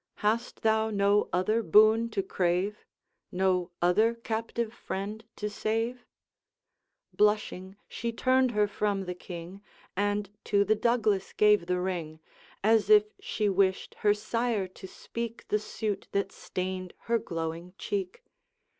Hast thou no other boon to crave? No other captive friend to save?' Blushing, she turned her from the King, And to the Douglas gave the ring, As if she wished her sire to speak The suit that stained her glowing cheek.